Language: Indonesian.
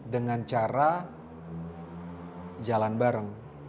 dengan cara jalan bareng